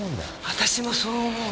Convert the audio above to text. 私もそう思う。